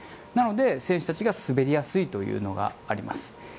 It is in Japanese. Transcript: なので、選手たちが滑りやすいというのがあります。